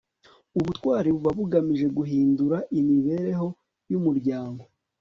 ubutwari buba bugamije guhindura imibereho y'umuryango